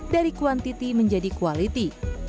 dari kuantiti menjadi kualiti